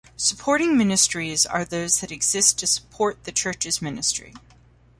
Supporting ministries are those that exist to support the church's ministry.